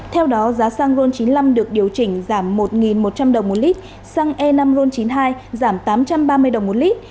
theo đó giá xăng ron chín mươi năm được điều chỉnh giảm một một trăm linh đồng một lít xăng e năm ron chín mươi hai giảm tám trăm ba mươi đồng một lít